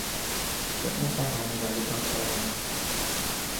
פון אָנפאַנג האָבן זיי געטאַפּט אַ וואַנט